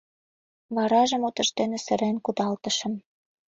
Варажым утыждене сырен кудалтышым.